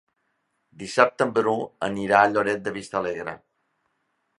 Dissabte en Bru anirà a Lloret de Vistalegre.